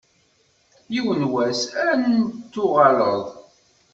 Yiwen n wass ad n-tuɣaleḍ.